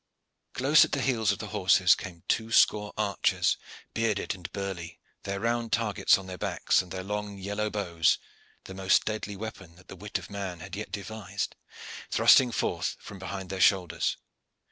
Close at the heels of the horses came two score archers bearded and burly, their round targets on their backs and their long yellow bows, the most deadly weapon that the wit of man had yet devised, thrusting forth from behind their shoulders.